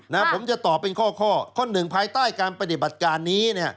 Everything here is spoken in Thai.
ผมจะตอบเป็นข้อข้อหนึ่งภายใต้การปฏิบัติการนี้เนี่ย